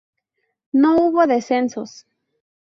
No hubo descensos.